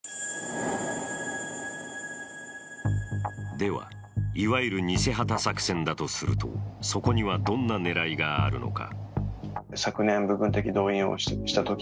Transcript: では、いわゆる偽旗作戦だとすると、そこにはどんな狙いがあるのか。